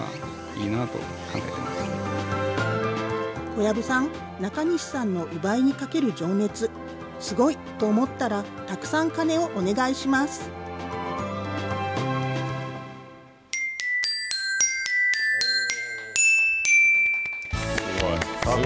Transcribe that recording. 小籔さん、中西さんの烏梅にかける情熱、すごいと思ったら、たくさん鐘をお願いします。